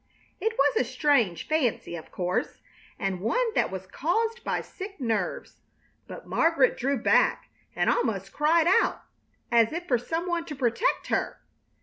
It was a strange fancy, of course, and one that was caused by sick nerves, but Margaret drew back and almost cried out, as if for some one to protect her.